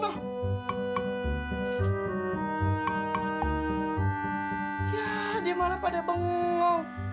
tuh dia malah pada bengong